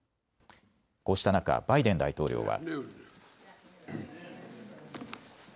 こうした中、バイデン大統領は。